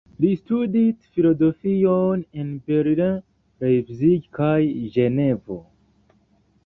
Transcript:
Li studis filozofion en Berlin, Leipzig kaj Ĝenevo.